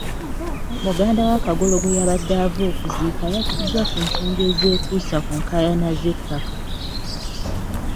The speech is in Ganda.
Muganda wa Kagolo gwe yabadde ava okuziika yattiddwa lwa nsonga ezeekuusa ku nkaayana z'ettaka.